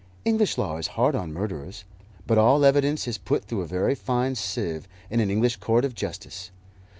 English law is hard on murderers, but all evidence is put through a very fine sieve in an English court of justice.